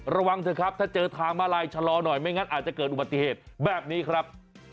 ระวังเถอะครับถ้าเจอทางมาลายชะลอหน่อยไม่งั้นอาจจะเกิดอุบัติเหตุแบบนี้ครับ